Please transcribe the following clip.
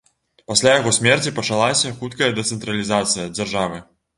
Пасля яго смерці пачалася хуткая дэцэнтралізацыя дзяржавы.